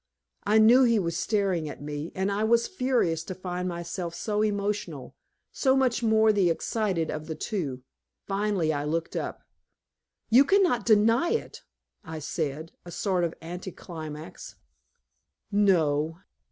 I knew he was staring at me, and I was furious to find myself so emotional, so much more the excited of the two. Finally, I looked up. "You can not deny it," I said, a sort of anti climax. "No."